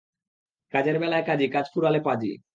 কাজের বেলায় কাজি কাজ ফুরালে পাজি।